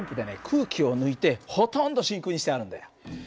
空気を抜いてほとんど真空にしてあるんだよ。